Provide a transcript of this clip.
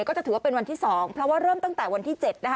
ก็จะถือว่าเป็นวันที่๒เพราะว่าเริ่มตั้งแต่วันที่๗นะคะ